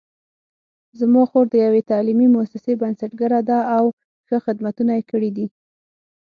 زما خور د یوې تعلیمي مؤسسې بنسټګره ده او ښه خدمتونه یې کړي دي